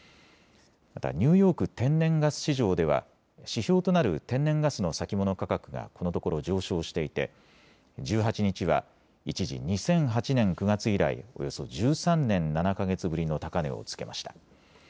またニューヨーク天然ガス市場では指標となる天然ガスの先物価格がこのところ上昇していて１８日は一時２００８年９月以来、およそ１３年７か月ぶりの高値をつけました。